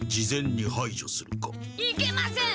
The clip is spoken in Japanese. いけません！